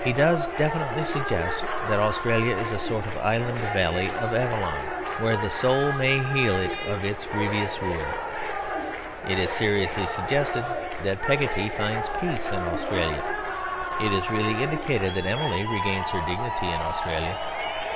He does definitely suggest that Australia is a sort of island Valley of Avalon, where the soul may heal it of its grievous wound. It is seriously suggested that Peggotty finds peace in Australia. It is really indicated that Emily regains her dignity in Australia.